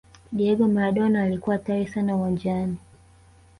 diego maradona alikuwa hatari sana uwanjani